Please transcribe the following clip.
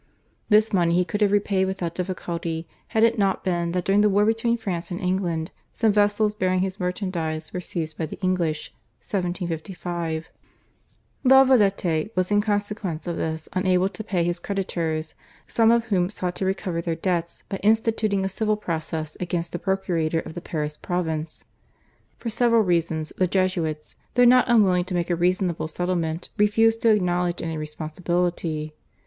This money he could have repaid without difficulty, had it not been that during the war between France and England some vessels bearing his merchandise were seized by the English (1755). La Valette was in consequence of this unable to pay his creditors, some of whom sought to recover their debts by instituting a civil process against the procurator of the Paris province. For several reasons the Jesuits, though not unwilling to make a reasonable settlement, refused to acknowledge any responsibility.